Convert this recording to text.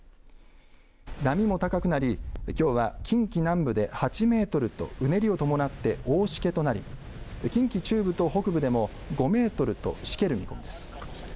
波も高くなり、きょうは近畿南部で８メートルとうねりを伴って大しけとなり近畿中部と北部でも５メートルとしける見込みです。